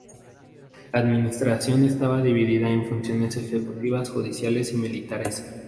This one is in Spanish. La administración estaba dividida en funciones ejecutivas, judiciales y militares.